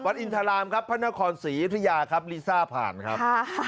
อินทรามครับพระนครศรียุธยาครับลิซ่าผ่านครับ